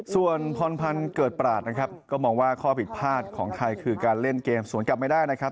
ส่วนพรพันธ์เกิดปราศนะครับก็มองว่าข้อผิดพลาดของไทยคือการเล่นเกมสวนกลับไม่ได้นะครับ